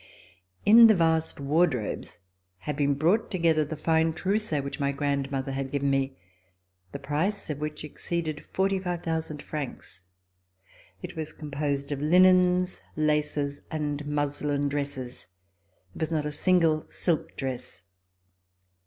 In the vast wardrobes had been brought together the fine trousseau which my grandmother had given me, the price of which exceeded 45,000 francs. It was composed of linens, laces, and muslin dresses. There was not a single silk dress.